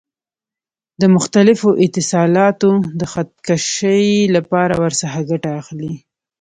د مختلفو اتصالاتو د خط کشۍ لپاره ورڅخه ګټه اخلي.